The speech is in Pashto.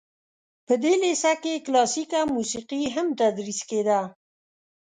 په دې لیسه کې کلاسیکه موسیقي هم تدریس کیده.